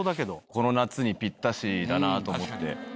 この夏にピッタシだなと思って。